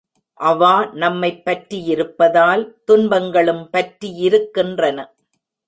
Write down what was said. அவா நம்மைப் பற்றியிருப்பதால் துன்பங்களும் பற்றியிருக்கின்றன.